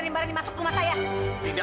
tapi nyariannya harus jadi istri kita